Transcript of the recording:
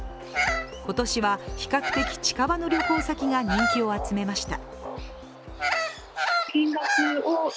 今年は比較的近場の旅行先が人気を集めました。